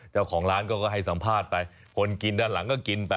เจ้าของร้านก็ให้สัมภาษณ์ไปคนกินด้านหลังก็กินไป